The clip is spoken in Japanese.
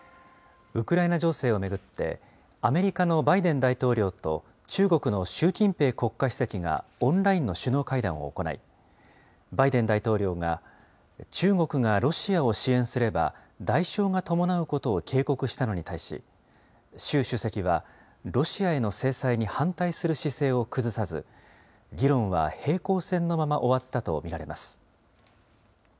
ウクライナ情勢を巡って、アメリカのバイデン大統領と中国の習近平国家主席がオンラインの首脳会談を行い、バイデン大統領が中国がロシアを支援すれば、代償が伴うことを警告したのに対し、習主席はロシアへの制裁に反対する姿勢を崩さず、議論は平行線のまま終わったと見られます。